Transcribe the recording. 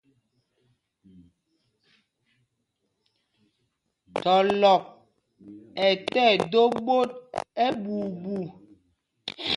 Thɔlɔk ɛ tí ɛdō ɓot ɛɓuuɓu.